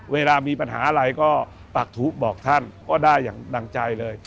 เวลามีปัญหาอะไรก็ปากทุบอกท่านก็ได้อย่างดังใจเลย